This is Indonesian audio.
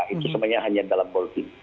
itu sebenarnya hanya dalam bolting